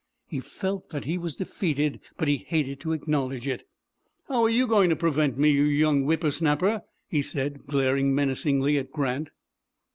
He felt that he was defeated, but he hated to acknowledge it. "How are you going to prevent me, you young whippersnapper?" he said, glaring menacingly at Grant.